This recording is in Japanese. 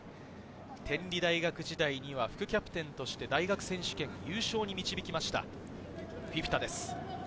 天理大学時代には副キャプテンとして大学選手権優勝に導きました、フィフィタです。